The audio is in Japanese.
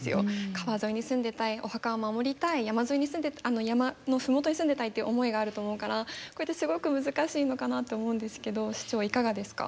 川沿いに住んでたいお墓を守りたい山の麓に住んでたいっていう思いがあると思うからこれってすごく難しいのかなって思うんですけど市長いかがですか？